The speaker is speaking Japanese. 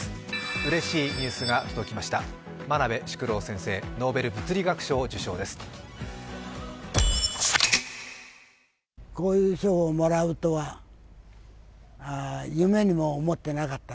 うれしいニュースが届きました。